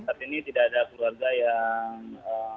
saat ini tidak ada keluarga yang